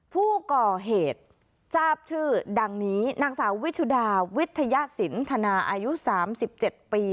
ผู้ก่อเหตุทราบชื่อดังนี้นางสาววิชุดาวิทยาศิลป์ธนาอายุสามสิบเจ็ดปี